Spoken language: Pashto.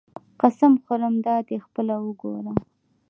قسم خورم دادی خپله وګوره.